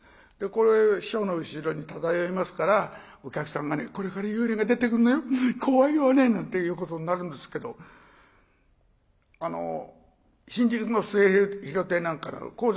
これ師匠の後ろに漂いますからお客さんが「これから幽霊が出てくんのよ怖いわね」なんていうことになるんですけど新宿の末廣亭なんかだと高座が狭いんですよ。